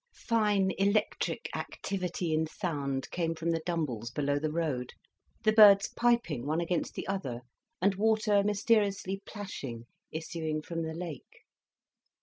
Fine electric activity in sound came from the dumbles below the road, the birds piping one against the other, and water mysteriously plashing, issuing from the lake.